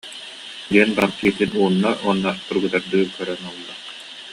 диэн баран илиитин уунна уонна тургутардыы көрөн ылла